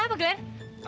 glen laura kenapa glen